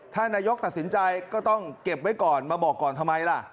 ถ้านายกตัดสินใจก็ต้องเก็บไว้ก่อนมาบอกก่อนทำไมล่ะ